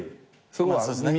そうですね。